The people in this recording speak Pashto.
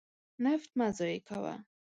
نفت مه ضایع کوه.